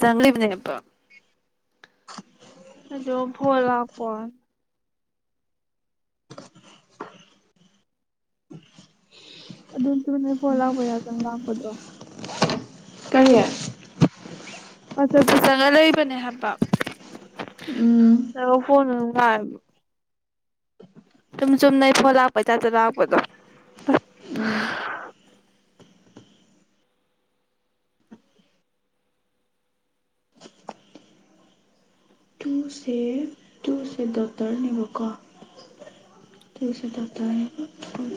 ꯆꯪꯂꯤꯕꯅꯦꯕ ꯑꯗꯨꯗꯣ ꯐꯣꯂꯥꯛ ꯐꯣꯟ꯫ ꯑꯗꯨ ꯫ ꯑꯗꯨꯅꯦ ꯐꯣꯂꯥꯛꯄꯩ [unintelligible] ꯉꯥꯡ꯫ ꯑꯗꯣ꯫ ꯀꯔꯤ꯫ [unintelligible] ꯆꯪꯉ ꯂꯩꯕꯅꯦ ꯍꯥꯏꯕ ꯎꯝ [unintelligible] ꯐꯣꯟꯗꯨ ꯃꯥꯡ꯫ ꯑꯗꯨꯝ ꯆꯨꯝꯅꯩ ꯐꯣ ꯂꯥꯛꯄ ꯇꯥꯏꯞꯇ ꯂꯥꯛꯄꯗꯣ꯫ ꯎꯝ ꯇꯨꯁꯦ ꯇꯨꯁꯦ ꯗꯣꯇ꯭ꯔꯅꯦꯕ ꯀꯣ ꯇꯨꯁꯦ ꯗꯣꯇ꯭ꯔꯅꯦꯕ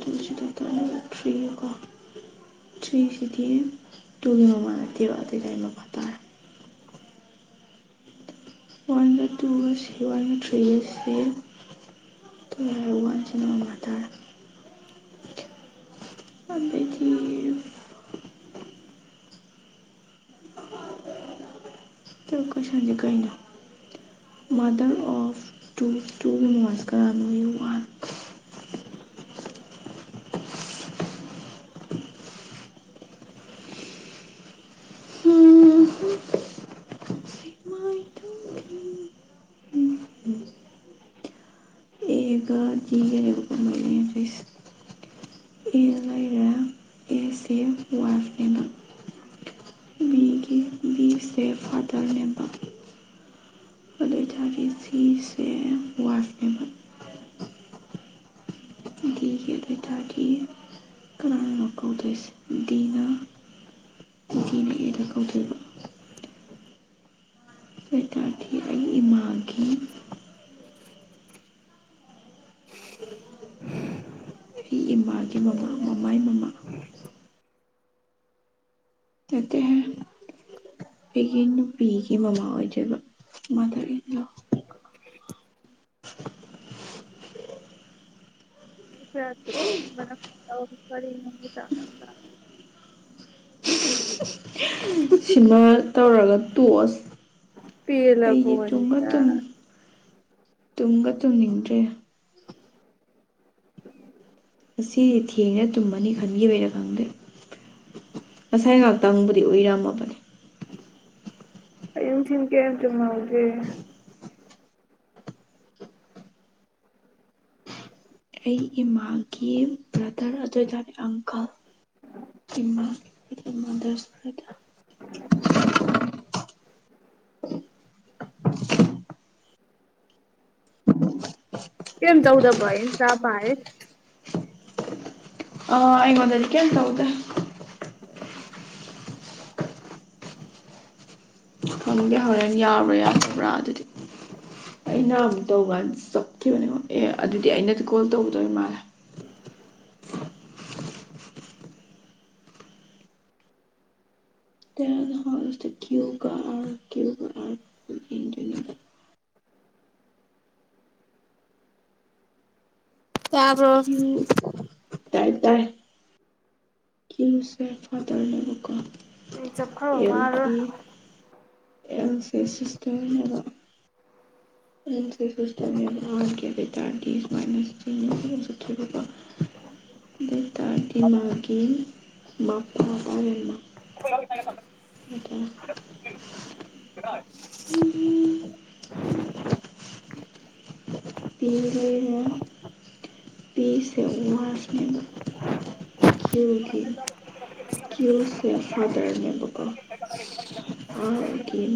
ꯇꯨꯁꯦ ꯗꯣꯛꯇ꯭ꯔꯅꯦꯕ ꯊ꯭ꯔꯤ ꯀꯣ ꯊ꯭ꯔꯤꯁꯤꯗꯤ ꯇꯨꯒꯤ ꯃꯃꯥ ꯅꯠꯇꯦꯕ ꯑꯗꯨꯏ ꯇꯥꯔꯗꯤ ꯃꯄꯥ ꯇꯥꯔꯦ꯫ ꯋꯥꯟꯒ ꯇꯨꯒꯁꯤ ꯋꯥꯟꯒ ꯊ꯭ꯔꯤꯒꯁꯤ ꯇꯨꯒꯤ ꯋꯥꯟꯁꯤꯅ ꯃꯃꯥ ꯇꯥꯔꯦ꯫ ꯑꯗꯩꯗꯤ ꯊꯔꯠ ꯀꯣꯏꯁꯟꯁꯦ ꯀꯩꯅꯣ ꯃꯥꯗꯔ ꯑꯣꯐ ꯇꯨ ꯇꯨꯒꯤ ꯃꯃꯥꯁꯦ ꯀꯅꯥꯅꯣ ꯌꯦꯡꯉꯨ ꯍꯥꯟꯅ ꯎꯝ ꯃꯥꯏ ꯇꯨꯒꯤ ꯎꯝ ꯑꯦꯒ ꯗꯤꯒꯅꯦꯕꯀꯣ ꯃꯣꯏ ꯂꯩꯔꯤꯁꯦ ꯑꯦ ꯂꯩꯔꯦ ꯑꯦꯁꯦ ꯋꯥꯏꯐꯅꯦꯕ ꯕꯤꯒꯤ ꯕꯤꯁꯦ ꯐꯥꯗꯔꯅꯦꯕ ꯑꯗꯨ ꯑꯣꯏꯇꯥꯔꯗꯤ ꯁꯤꯁꯦ ꯋꯥꯏꯐꯅꯦꯕ ꯗꯤꯒꯤ ꯑꯗꯨ ꯑꯣꯏꯇꯥꯔꯗꯤ ꯀꯅꯥꯅꯣ ꯀꯧꯗꯣꯏꯁꯦ ꯗꯤꯅ ꯗꯤꯅ ꯑꯦꯗ ꯀꯧꯗꯣꯏꯕ ꯑꯗꯨ ꯑꯣꯏꯇꯥꯔꯗꯤ ꯑꯩꯒꯤ ꯏꯃꯥꯒꯤ [inaudible] ꯑꯩꯒꯤ ꯏꯃꯥꯒꯤ ꯃꯃꯥ ꯃꯃꯥꯏ ꯃꯃꯥ ꯅꯠꯇꯦꯍꯦ ꯑꯩꯒꯤ ꯅꯨꯄꯤꯒꯤ ꯃꯃꯥ ꯑꯣꯏꯗꯣꯏꯕ꯫ ꯃꯥꯗꯔ ꯏꯟ ꯂꯣ [unintelligible] ꯁꯤꯃ ꯇꯧꯔꯒ ꯇꯣꯛꯑꯁꯦ꯫ ꯄꯦꯂꯕꯣ ꯑꯗꯨꯅꯥ꯫ ꯇꯨꯝꯒ ꯇꯨꯝꯅꯤꯡꯗ꯭ꯔꯦ ꯉꯗꯤ ꯊꯦꯡꯅ ꯇꯨꯝꯃꯅꯤ ꯈꯟꯒꯤ ꯑꯣꯏꯅ ꯈꯪꯗꯦ ꯉꯁꯥꯏ ꯉꯥꯛꯇꯪꯕꯨꯗꯤ ꯎꯏꯔꯝꯃꯕꯅꯤ ꯏꯟꯁꯤꯤꯟ ꯀꯦ ꯇ ꯃꯥꯗꯤ ꯑꯩ ꯏꯃꯥꯒꯤ ꯕ꯭ꯔꯗꯔ ꯑꯗꯨ ꯑꯣꯏꯇꯥꯅꯦ ꯑꯪꯀꯜ ꯏꯃꯥ ꯃꯥꯗꯔꯁ ꯕ꯭ꯔꯗꯔ ꯀꯦꯝ ꯆꯧꯗꯕꯥꯏ ꯁꯥꯄ ꯍꯥꯏ ꯑ ꯑꯩꯒꯣꯟꯗꯗꯤ ꯀꯦ ꯇ ꯍꯧꯗ [unintelligible] ꯊꯪꯒꯦ ꯍꯣꯔꯦꯟ ꯌꯥꯕ꯭ꯔꯥ ꯌꯥꯗꯕ꯭ꯔꯥ ꯑꯗꯨꯗꯤ ꯑꯩꯅ ꯑꯃꯨꯛ ꯇꯧ ꯀꯥꯟ ꯆꯠꯈꯤꯕꯅꯦꯀꯣ ꯑꯦ ꯑꯗꯨꯗꯤ ꯑꯩꯅꯗꯤ ꯀꯣꯜ ꯇꯧꯒꯗꯧꯔꯤ ꯃꯥꯜꯂꯦ [unintelligible] ꯀ꯭ꯌꯨꯒ ꯑꯥꯔ ꯀ꯭ꯌꯨꯒ ꯑꯥꯔ ꯌꯦꯡꯗꯣꯏꯅꯦꯕ ꯇꯔꯕꯣ ꯀ꯭ꯌꯨ ꯇꯥꯏ ꯇꯥꯏ ꯀ ꯎꯆꯦ ꯐꯥꯗꯔꯅꯦ ꯔꯨꯀꯥ ꯑꯩ ꯆꯄ ꯃꯥꯔ N C ꯁꯤꯁꯇꯦꯝꯅꯦꯕ N C ꯁꯤꯁꯇꯦꯝꯅꯦꯕ R ꯀꯦꯩ ꯆꯔꯇ ꯃ ꯇꯔꯗꯤꯃꯒꯤ ꯃꯄ ꯇꯔ ꯑꯃ ꯄꯤꯣꯏ ꯑꯃ ꯄꯤ ꯁꯦ ꯋꯥꯔꯐꯅꯦꯦꯝꯕ ꯀ꯭ꯌꯨ ꯀꯤꯟ ꯀ꯭ꯌꯨꯁ ꯐꯥꯗꯔ ꯅꯦꯝꯕꯀ ꯑ ꯀꯤꯟ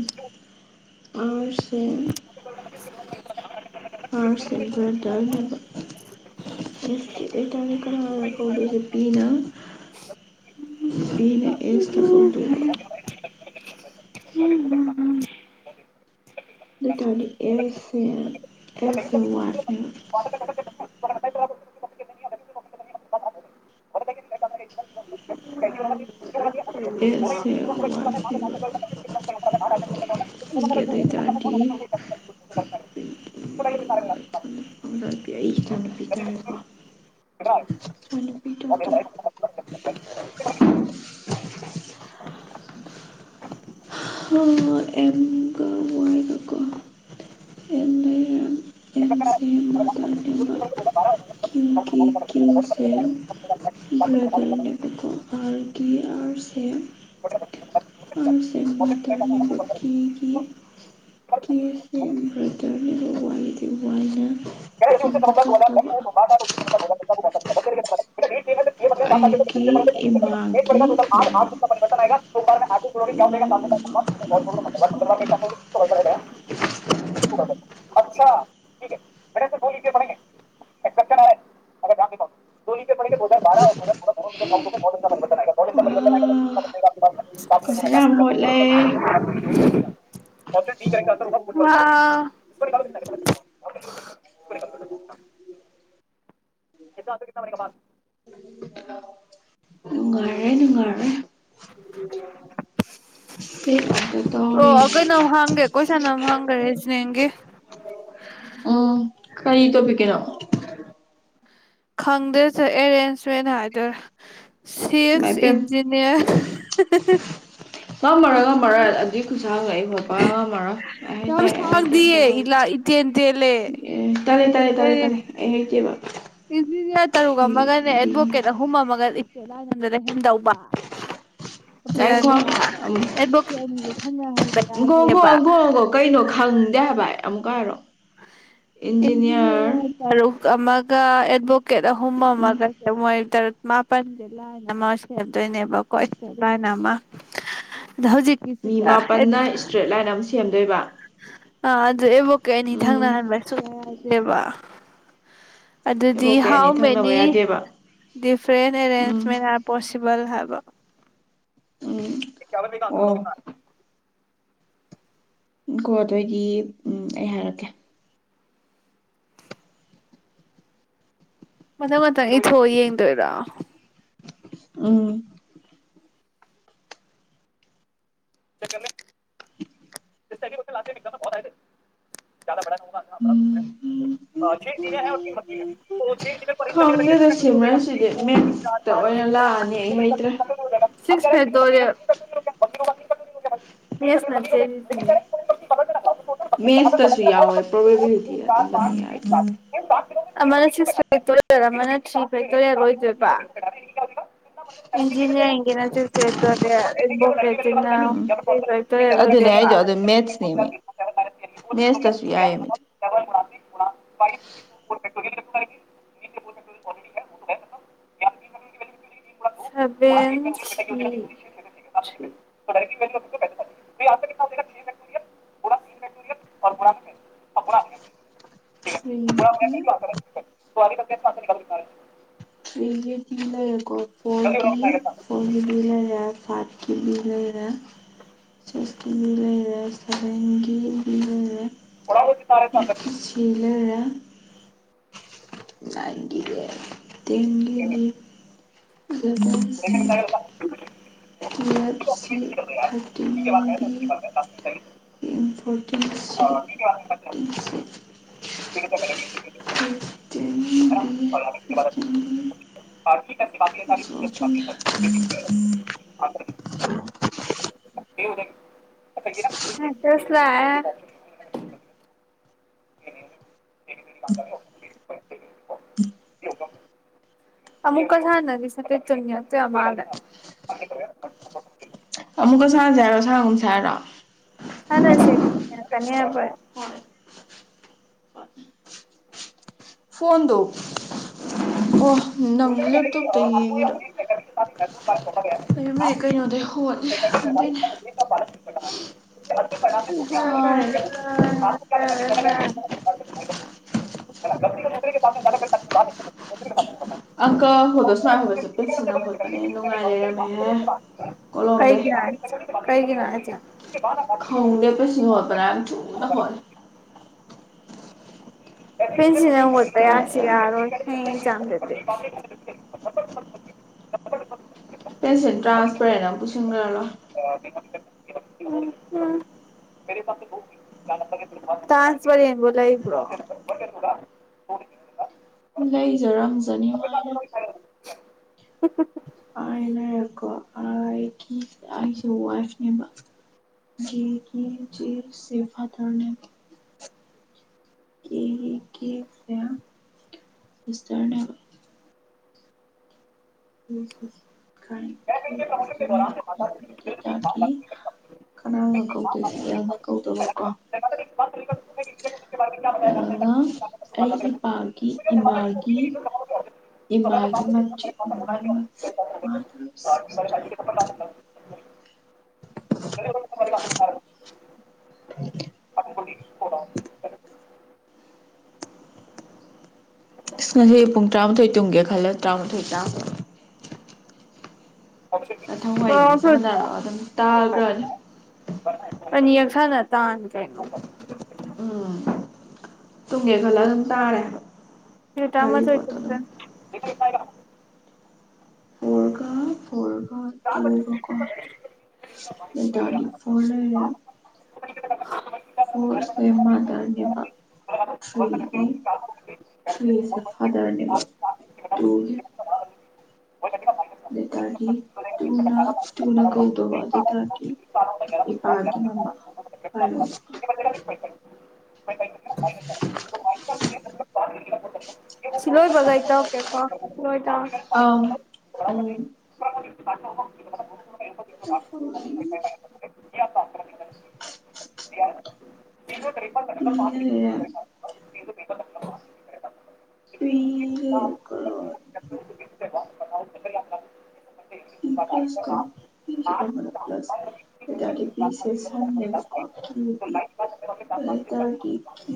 ꯑ ꯍꯨꯡ ꯑꯥꯔꯠꯁ ꯑꯦꯟ ꯭ꯔꯗꯅꯦꯕ ꯑꯦꯁꯀꯤ ꯂꯩꯇꯥꯥꯔꯗꯤ ꯀꯅꯥ ꯀꯧꯗꯣꯏꯁꯦ ꯕꯤꯅ ꯕꯤꯤꯅ ꯑꯦꯁꯇ ꯀꯧꯗꯣꯏꯕ ꯎꯝ ꯎꯝ ꯎꯝ ꯇ ꯑꯦꯁ ꯑꯦ ꯑꯔ ꯅ꯭ꯌꯨ ꯑꯦꯁ ꯑꯦ ꯋꯥꯥꯏ ꯐꯀꯗ ꯀ ꯄꯤ ꯑꯩ ꯏꯆꯥꯅꯨꯄꯤ ꯇꯥꯔꯦꯀꯣ ꯏꯆꯥꯅꯨꯄꯤ ꯗꯣꯛꯇꯔ ꯑꯦꯝꯒ ꯋꯥꯥꯏꯔꯤꯕꯀꯣ ꯑꯦ ꯂꯩꯔ ꯁ ꯕ꯭ꯔꯥꯗꯔ ꯅꯀ ꯑꯥꯔꯁꯦ ꯃꯥꯗꯔꯅꯦꯕ ꯀꯦꯒꯤ ꯀꯦꯁꯦ ꯕ꯭ꯔꯗꯔꯅꯦꯕ ꯋꯥꯏꯒꯤꯗꯤ ꯋꯥꯏꯅ ꯑꯦꯝꯗ ꯀꯧꯗꯧꯕ ꯑꯩꯒꯤ ꯏꯃꯥꯒꯤ ꯃꯃꯥ ꯏꯃꯥ [unintelligible] [unintelligible] [unintelligible] [unintelligible] ꯀꯣꯏꯁꯥ ꯌꯥꯝ ꯍꯣꯠꯂꯦ ꯑꯣ ꯋꯥꯎ ꯅꯨꯡꯉꯥꯏꯔꯦ ꯅꯨꯡꯉꯥꯏꯔꯦ ꯁꯤ ꯉꯥꯛꯇ ꯇꯧꯔꯤ ꯋꯥꯒ ꯅ ꯍꯥꯡꯦ ꯀꯣꯏ ꯁꯥꯟꯅꯝ ꯍꯪꯈꯔꯦꯁꯤꯅꯦꯒꯤꯦ ꯎꯝ ꯀꯔꯤ ꯇꯣꯄꯤꯤ ꯀꯔꯣ ꯈꯪꯗꯦꯁꯨ ꯑꯦꯔꯦꯟꯖꯃꯦꯟ ꯍꯥꯏꯗꯣꯏꯔꯥ ꯏꯃꯥꯏ ꯁꯤꯛꯁ ꯄꯦꯝ ꯏꯟꯖꯤꯅꯤꯌꯔ ꯉꯝꯃꯔ ꯉꯝꯃ ꯑꯗꯨꯏ ꯈꯨꯁꯥꯡꯉꯛꯏꯕꯕ ꯉꯝꯃꯔ ꯦ ꯌꯥꯝ ꯇ ꯁꯥꯡꯗꯤꯌꯦ ꯍ ꯏꯂꯥ ꯏꯇꯦꯟ ꯇꯦꯜꯂꯦ ꯑꯦ ꯇꯔꯦ ꯇꯔꯦ ꯇꯔꯦ ꯇꯔꯦꯦꯇꯕꯕꯥ ꯏꯔꯤ ꯇꯔꯒ ꯃꯒꯅꯦ ꯗꯤ ꯑꯦꯗꯚꯣꯀꯦꯠ ꯑꯍꯨꯝ ꯃꯒꯟ ꯀꯦꯂꯥꯏ ꯅꯪꯗꯅ ꯍꯦꯟ ꯇꯧꯕ ꯉꯥꯏꯈꯣ ꯑꯗꯨꯗꯅꯦ ꯑꯃꯨꯛ ꯑꯦꯠꯚꯣꯀꯦꯠꯅꯤꯗꯤ ꯈꯪꯅꯍꯟꯕ ꯒꯣ ꯒꯣ ꯌꯥꯗꯦꯕ ꯒꯣ ꯒꯣ ꯀꯩꯅꯣ ꯈꯪꯗꯦ ꯍꯥꯏꯕ ꯑꯃꯨꯛꯀ ꯍꯥꯏꯔꯛ ꯀꯔꯣ ꯑ ꯣꯛ ꯀ ꯍꯨꯝꯃ ꯎꯝ ꯃꯒꯦ ꯋꯥꯣꯏ ꯇꯔꯨꯛ ꯃꯥꯄꯜꯁꯦ ꯂꯥꯏꯟ ꯑꯃ ꯁꯦꯝꯗꯣꯏꯅꯦꯕꯀꯣ ꯏꯁꯇ ꯂꯥꯏꯟ ꯑꯃ ꯑꯗ ꯃꯤ ꯍꯧꯖꯤꯛꯀꯤꯁꯤꯗ ꯃꯥꯄꯟꯅ ꯏꯁꯇ꯭ꯔꯦꯠ ꯂꯥꯏꯟ ꯑꯃ ꯁꯦꯝꯗꯣꯏꯕ ꯑ ꯑꯗꯨꯗꯦꯕ ꯀꯩꯅꯤ ꯎꯝ ꯊꯪꯅꯍꯟꯕꯁꯨꯉꯥꯏꯗꯦꯕ ꯑꯗꯨꯗꯤ ꯑꯦꯕꯣꯛ ꯀꯩ ꯍꯥꯎ ꯑꯅꯤ ꯊꯪꯅꯕ ꯃꯦꯅꯤ ꯌꯥꯗꯦꯕ ꯗꯤꯐ꯭ꯔꯦꯟ ꯎꯝ ꯑꯦꯔꯦꯟꯖꯃꯦꯟ ꯍꯥꯏꯔ ꯄꯣꯠꯁꯦ ꯕꯜ ꯍꯕ ꯎꯝ ꯌꯥ ꯃꯤ ꯑꯣ ꯀꯗꯅ ꯀꯣ ꯑꯗꯨꯑꯣꯏꯗꯤ ꯎꯝ ꯑꯩ ꯍꯥꯏꯔꯛꯀꯦ ꯃꯊꯪ ꯃꯊꯪ ꯏꯊꯣꯛꯑ ꯌꯦꯡꯗꯣꯏꯔꯥ ꯎꯝ ꯆ ꯀ [unintelligible] ꯇ ꯂꯥꯛ ꯄꯣꯦ ꯈꯪꯒꯦꯗ ꯁꯦꯝꯃꯔꯁꯤꯗꯤ ꯃꯦꯟꯁꯇ ꯑꯣꯏꯅ ꯂꯥꯛꯑꯅꯤ ꯑꯩ ꯍꯩꯇ꯭ꯔꯦ ꯁꯤꯁ ꯗꯧꯔ ꯃꯤꯁꯅꯠꯇꯦ ꯐ ꯃꯦꯠꯁꯇꯁꯨ ꯌꯥꯎꯋꯦ ꯄ꯭ꯔꯣꯕꯦꯕꯤꯂꯤꯇꯤ ꯑꯗꯨꯝꯕ ꯐꯅꯤꯉꯏ ꯑꯃꯅ ꯁꯤ ꯑꯃꯅ ꯁꯤ ꯐꯦꯛꯇꯣꯔ ꯑꯣꯏꯗꯣꯏꯕ ꯖꯤꯖ ꯏꯅꯥ ꯁꯦ ꯃꯦꯠꯁ ꯅꯃꯦ ꯅꯦꯁ ꯇꯁꯌꯥꯌꯦ ꯑꯃ [unintelligible] ꯦꯛꯛꯇꯦꯔꯤꯟ ꯄꯨꯥ ꯇ ꯦꯛꯛꯇꯔꯤꯟꯔ ꯥꯔꯤ ꯇ꯭ꯔꯦ ꯀ ꯇ꯭ꯋꯥꯔꯦ ꯇ ꯂꯩ ꯑꯀꯣ ꯐꯣꯔꯒꯤ ꯐꯣꯔ ꯁꯥꯔꯠꯀꯤ ꯂꯤ ꯂꯩꯔꯦ ꯆꯦꯁꯀꯤ ꯂꯤ ꯂꯩꯔꯦ ꯁꯔꯦꯡꯒꯤ ꯂꯤ ꯂꯩꯔꯦ ꯍꯗꯤꯤ ꯇꯥꯔꯦ ꯇꯪꯦ ꯏꯂꯔ ꯅꯥꯏꯟꯒꯤꯒꯦ ꯇꯦꯡꯒꯤꯒꯤ ꯇꯨꯌꯦꯜꯞ ꯁꯤ ꯊꯥꯔꯇꯤꯟ ꯕꯤ ꯐꯣꯔꯇꯤꯟ ꯁꯤ [unintelligible] ꯀ ꯇꯔꯒ ꯆꯗꯤ ꯍ ꯇꯦ ꯨꯝ ꯁꯂ ꯑꯃꯨꯛ ꯀ ꯍꯥꯟꯅꯤ ꯁ ꯆ ꯇ ꯑꯗ ꯑꯃꯨꯛꯀ ꯁꯥꯁ ꯍꯥꯏꯔꯣ ꯁꯥꯒꯨꯝ ꯁꯥ ꯍꯥꯏꯔꯣ ꯍꯗ ꯁꯤꯦ ꯀꯅꯤꯕ ꯐꯣꯟꯗꯣ ꯑꯣ ꯅꯪ ꯂꯦꯞꯇꯣꯞꯇ ꯌꯦꯡꯉꯤꯔꯣ ꯑꯗꯨ ꯑꯗꯨꯕꯗꯤ ꯀꯩꯅꯣꯗꯩ ꯍꯣꯠꯂꯤ ꯑꯗꯨꯗꯣꯏꯅꯦ [unintelligible] ꯎ ꯎ ꯑꯝ ꯑꯪꯀ ꯍꯣꯗꯣ ꯁꯨꯉꯥꯏ ꯍꯣꯕꯁꯦ ꯄꯦꯛꯁꯤꯟꯅ ꯈꯣꯠꯄꯅꯦ ꯅꯨꯡꯉꯥꯏꯔꯦꯔꯝꯃꯦꯍꯦ ꯑꯩꯒꯤ ꯀꯒꯤꯅꯆꯥ ꯈꯥꯎꯗꯦ ꯄꯩꯁꯨ ꯭ꯔꯥꯝꯁꯨꯅ ꯍꯣꯜ ꯄꯟꯁꯤꯅꯠꯇ ꯍꯩꯁꯀ ꯌꯥꯁꯤꯔ ꯑꯦꯝ ꯆꯦ [unintelligible] ꯄꯦꯟꯁꯦꯟꯇ꯭ꯔꯥꯁ ꯄꯔꯅ ꯑꯃ ꯄꯨꯁꯤꯟꯈ꯭ꯔ ꯂꯣ ꯇꯁ ꯐꯂ ꯂꯩꯖꯔꯝꯖꯅꯤꯃꯥꯏꯅ ꯎ ꯍꯥꯏ ꯂꯩꯔꯦꯀꯣ ꯑꯩꯒꯤ ꯑꯩꯁꯦ ꯋꯥꯏꯐꯅꯦꯕ ꯀꯦꯒꯤ ꯦꯦꯛꯁꯦ ꯐꯥꯗꯔꯅꯦꯕ ꯀꯦ ꯀꯁꯦ ꯁꯤꯁꯇꯔꯅꯦꯕ ꯍ ꯈꯔꯦ ꯀꯅꯥꯅ ꯀꯧꯗꯣꯏꯁꯦꯜꯅ ꯀꯧꯗꯕꯀꯣ ꯑꯦꯜꯅ ꯑꯩꯒꯤ ꯄꯥꯒꯤ ꯏꯃꯥꯒꯤ ꯏꯃꯒꯤ ꯃꯆ ꯏ ꯍ ꯏꯁ ꯉꯁꯤ ꯄꯨꯡ ꯇꯔꯥꯃꯥꯊꯣꯏ ꯇꯨꯝꯒꯦ ꯈꯜꯂꯦ ꯇꯔꯥꯃꯥꯊꯣꯏ ꯇꯥꯃ ꯊꯪꯋꯥꯩꯅꯤ ꯑꯣ ꯁꯥꯟꯅꯔꯒ ꯑꯗꯨꯝ ꯇꯥꯈ꯭ꯔꯅꯤ ꯈꯉ ꯇ ꯀꯦ ꯇꯨꯡꯒꯦ ꯈꯜꯂ ꯑꯗꯨꯝ ꯇꯥꯔꯦ ꯍ ꯇꯃ ꯑꯣꯏꯣꯏ ꯆꯁ ꯎꯔꯀꯥ ꯎꯔ ꯇ ꯃꯗꯥꯅꯤ ꯐꯦ [inaudible] ꯐꯣꯔꯁꯦ ꯃꯥꯗꯔꯅꯦꯕ ꯊ꯭ꯔꯤꯒꯤ ꯊ꯭ꯔꯤꯁꯦ ꯐꯥꯗꯔꯅꯦꯕ ꯇꯨꯒꯤ ꯑꯇꯥꯗꯤ ꯇꯨꯅ ꯇꯨꯅ ꯀꯧꯗꯧꯕ ꯑꯗꯨꯇꯥꯗꯤ ꯏꯄꯥꯒꯤ ꯃꯃꯥ ꯄꯥꯏꯔꯣ [inaudible] ꯁꯤꯂꯣꯣꯏꯕꯒꯥꯏꯦ ꯑ ꯑ [inaudible] ꯐ ꯌꯥ ꯄ ꯏ ꯂꯩꯔ ꯄꯤ ꯀ ꯏ ꯄ꯭ꯂꯁ ꯀ ꯄꯀ ꯄ꯭ꯂꯁꯇꯥꯔ ꯄꯤꯦꯁꯎ ꯄꯇꯥꯔꯗꯤꯎ ꯆꯦ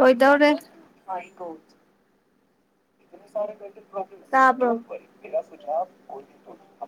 ꯑꯣꯏꯗ ꯍꯧꯔꯦ [inaudible]